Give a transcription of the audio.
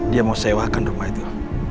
dia mau sewakan rumah itu